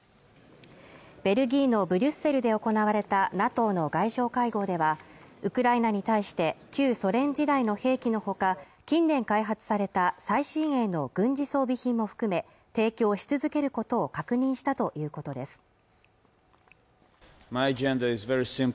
ベルギーのブリュッセルで行われたＮＡＴＯの外相会合ではウクライナに対して旧ソ連時代の兵器のほか近年開発された最新鋭の軍事装備品も含め提供し続けることを確認したということです